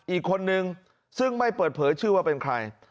อีกคนนึงซึ่งไม่เปิดเผยชื่อว่าเป็นใคร